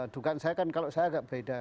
dukaan saya kan kalau saya agak beda